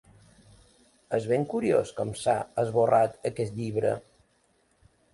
És ben curiós com s'ha esborrat aquest llibre.